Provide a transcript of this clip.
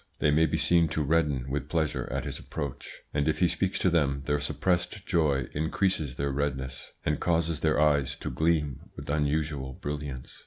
They may be seen to redden with pleasure at his approach, and if he speaks to them their suppressed joy increases their redness, and causes their eyes to gleam with unusual brilliance.